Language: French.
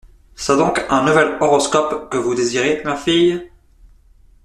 C’est donc un nouvel horoscope que vous désirez, ma fille ?